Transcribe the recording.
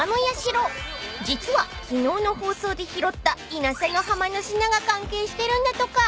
［実は昨日の放送で拾った稲佐の浜の砂が関係してるんだとか］